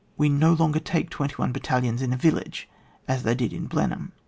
We no longer take twenty one battalions in a village, as they did at Blenheim.